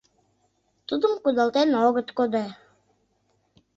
Тудым кудалтен огыт кодо.